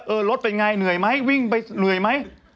รถเป็นไงเหนื่อยไหมวิ่งไปเหนื่อยไหม